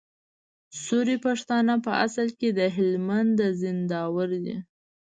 سوري پښتانه په اصل کي د هلمند د زينداور دي